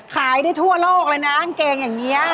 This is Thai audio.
ขายได้ทั่วโลกเลยนะกางเกงอย่างนี้